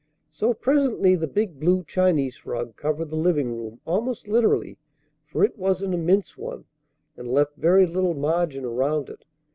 So presently the big blue Chinese rug covered the living room, almost literally; for it was an immense one, and left very little margin around it.